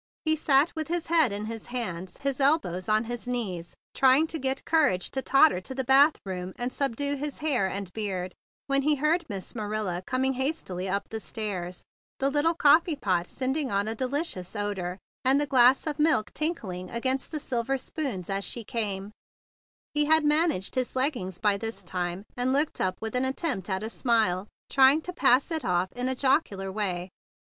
He sat with his head in his hands, his elbows on his knees, trying to get courage to totter to the bathroom and subdue his hair and beard, when he heard Miss Marilla coming hastily up the stairs, the little coffee pot sending on a delicious odor, and the glass of milk tinkling against the silver spoons as she came. THE BIG BLUE SOLDIER 95 He had managed his leggings by this time, and looked up with an attempt at a smile, trying to pass it off in a jocu¬ lar way.